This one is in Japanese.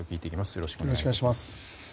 よろしくお願いします。